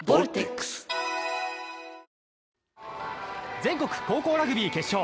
全国高校ラグビー決勝。